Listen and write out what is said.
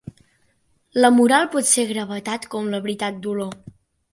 La moral pot ser gravetat com la veritat color.